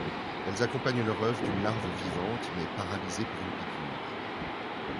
Elles accompagnent leur œuf d'une larve vivante mais paralysées par une piqûre.